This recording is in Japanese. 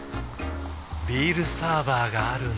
ビールサーバーがある夏。